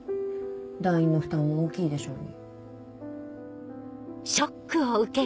団員の負担も大きいでしょうに。